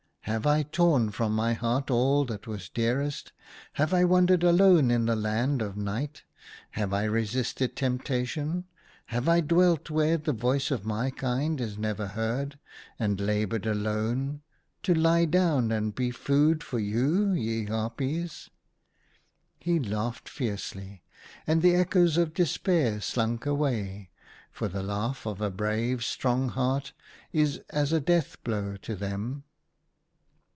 " Have I torn from my heart all that was dearest ; have I wandered alone in the land of night ; have I resisted temptation ; have I dwelt where the voice of my kind is never heard, and laboured alone, to lie down and be food for you, ye harpies ?" He laughed fiercely ; and the Echoes of Despair slunk away, for the laugh of a brave, strong heart is as a death blow to them.